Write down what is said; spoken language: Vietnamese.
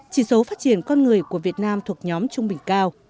chỉ số phát triển con người của việt nam thuộc nhóm trung bình cao